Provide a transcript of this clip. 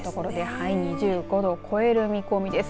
はい、２５度を超える見込みです。